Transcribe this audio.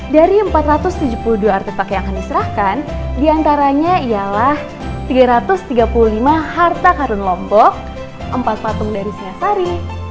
dari empat ratus tujuh puluh dua artefak yang akan diserahkan diantaranya ialah tiga ratus tiga puluh lima harta karun lombok empat patung dari siasari